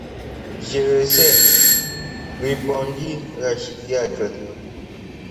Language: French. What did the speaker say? Je le sais, répondit l’archidiacre.